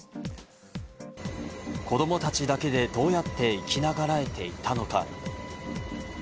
子供たちだけで、どうやって生きながらえていたのか？